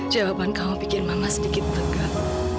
jawaban kamu bikin mama sedikit tegak